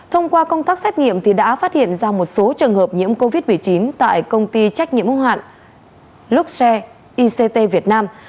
thông qua công tác xét nghiệm đã phát hiện ra một số trường hợp nhiễm covid một mươi chín tại công ty trách nhiệm hô hạn luxe ict việt nam